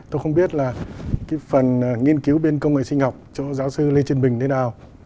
tôi không biết là phần nghiên cứu bên công nghệ sinh học cho giáo sư lê trần bình thế nào